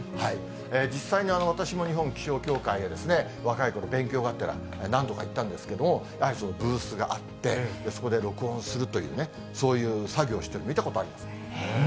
実際に私も日本気象協会へ若いころ、勉強がてら何度か行ったんですけれども、やはりブースがあって、そこで録音するというね、そういう作業をしているところ見たことあります。